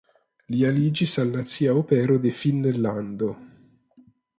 Li aliĝis al Nacia Opero de Finnlando.